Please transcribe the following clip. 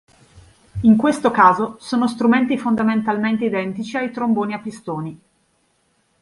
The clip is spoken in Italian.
In questo caso sono strumenti fondamentalmente identici ai tromboni a pistoni.